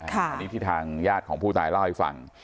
อันนี้ที่ทางญาติของผู้ตายเล่าให้ฟัง